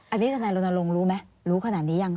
อันนี้ทนายรณรงค์รู้ไหมรู้ขนาดนี้ยัง